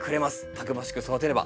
たくましく育てれば。